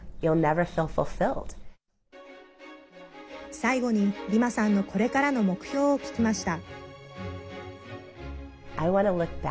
最後に、リマさんのこれからの目標を聞きました。